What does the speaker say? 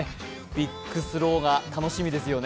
ビッグスローが楽しみですね。